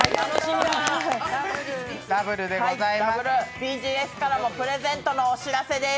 ＢＧＳからのプレゼントのお知らせです。